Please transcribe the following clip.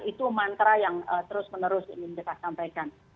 itu mantra yang terus menerus ingin kita sampaikan